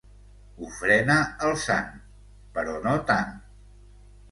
Ofrena el sant, però no tant.